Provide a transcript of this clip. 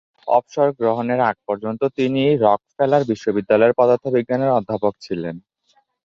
অবসর গ্রহণের আগ পর্যন্ত তিনি রকফেলার বিশ্ববিদ্যালয়ের পদার্থবিজ্ঞানের অধ্যাপক ছিলেন।